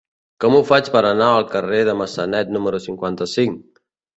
Com ho faig per anar al carrer de Massanet número cinquanta-cinc?